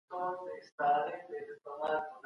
ايا د کائناتو حقايق انسانانو ته ګټور دي؟